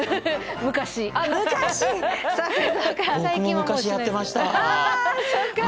僕も昔やってましたわ。